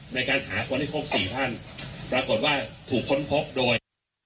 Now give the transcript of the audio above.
ในการหาคนที่ครบ๔ท่านปรากฏว่าถูกค้นพบโดย